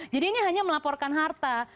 ini hanya melaporkan harta